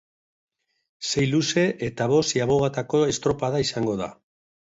Sei luze eta bost ziabogatako estropada izango da.